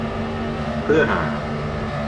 เพื่อหา